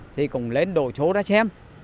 thì cũng lên đồ chỗ ra xem